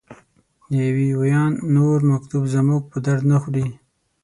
د وي ویان نور مکتوب زموږ په درد نه خوري.